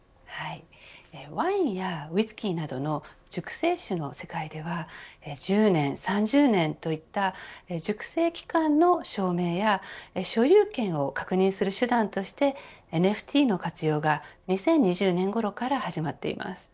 ワインやウイスキーなどの熟成酒の世界では１０年、３０年といった熟成期間の証明や所有権を確認する手段としてＮＦＴの活用が２０２０年ごろから始まっています。